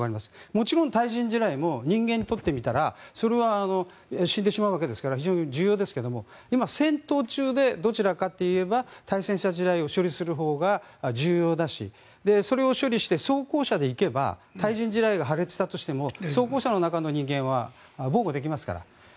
もちろん対人地雷も人間にとってみればそれは死んでしまうわけですから重要なんですが今、戦闘中でどちらかといえば対戦車地雷を除去するほうが重要だしそれを処理して、装甲車で行けば対人地雷が破裂したとしても装甲車の中の人間は防護できますから。